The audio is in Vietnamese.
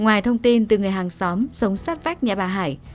ngoài thông tin từ người hàng xóm sống sát vách nhà bà hải